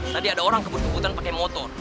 tadi ada orang kebut kebutan pakai motor